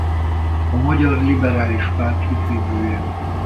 A Magyar Liberális Párt ügyvivője.